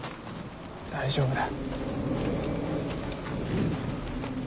大丈夫だ。